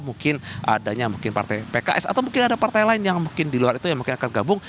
mungkin adanya mungkin partai pks atau mungkin ada partai lain yang mungkin di luar itu yang mungkin akan gabung